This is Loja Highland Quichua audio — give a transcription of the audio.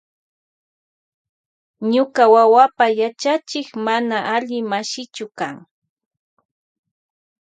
Ñuka wawapa yachachik mana alli mashichu kan.